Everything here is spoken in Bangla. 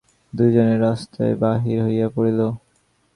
দুইজনে রাস্তায় বাহির হইয়া পড়িল।